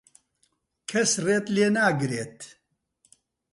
کەس ڕێت لێ ناگرێت.